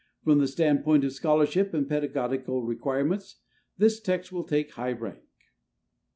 From the standpoint of scholarship and pedagogical requirements, this text will take high rank.